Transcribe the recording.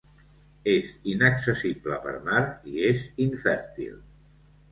És inaccessible per mar i és infèrtil.